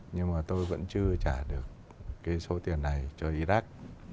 nhưng mà tôi vẫn chưa trả được cái số tiền này cho ydak